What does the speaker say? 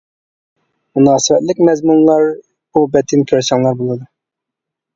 مۇناسىۋەتلىك مەزمۇنلار بۇ بەتتىن كۆرسەڭلار بولىدۇ.